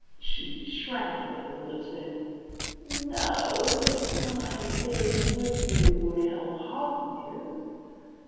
She shrank a little, but said :* N o ; if my being with you would help hearten you.